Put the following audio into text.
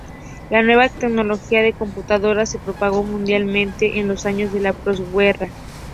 La nueva tecnología de computadoras se propagó mundialmente en los años de la posguerra.